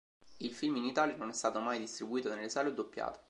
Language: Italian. Il film in Italia non è stato mai distribuito nelle sale o doppiato.